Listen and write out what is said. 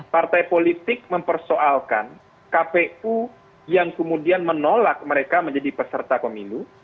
partai politik mempersoalkan kpu yang kemudian menolak mereka menjadi peserta pemilu